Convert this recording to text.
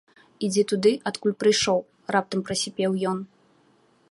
Ідзі туды, адкуль прыйшоў, — раптам прасіпеў ён.